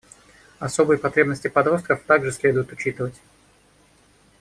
Особые потребности подростков также следует учитывать.